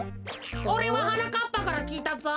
おれははなかっぱからきいたぞ。